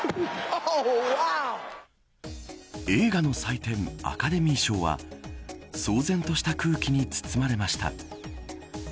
映画の祭典、アカデミー賞は騒然とした空気に包まれました。